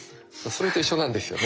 それと一緒なんですよね。